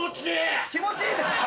気持ちいいですか？